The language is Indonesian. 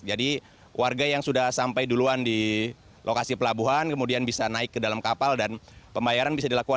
jadi warga yang sudah sampai duluan di lokasi pelabuhan kemudian bisa naik ke dalam kapal dan pembayaran bisa dilakukan